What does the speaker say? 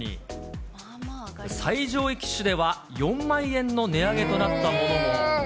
最上位機種では４万円の値上げとなったものも。